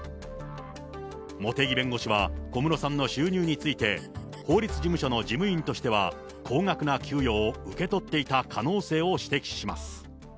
茂木弁護士は、小室さんの収入について、法律事務所の事務員としては高額な給与を受け取っていた可能性を指摘します。